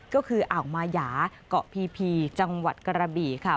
ก็คืออ่าวมายาเกาะพีพีจังหวัดกระบี่ค่ะ